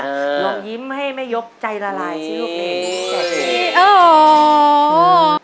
ลองยิ้มให้แม่ยกใจละลายสิลูกนี้